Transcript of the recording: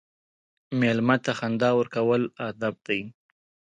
مېلمه ته خندا ورکول ادب دی.